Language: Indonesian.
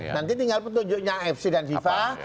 nanti tinggal petunjuknya afc dan fifa